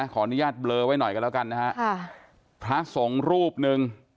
ขออนุญาตเบลอไว้หน่อยกันแล้วกันนะฮะค่ะพระสงฆ์รูปหนึ่ง